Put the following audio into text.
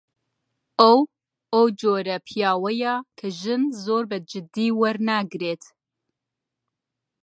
ئەو، ئەو جۆرە پیاوەیە کە ژن زۆر بەجددی وەرناگرێت.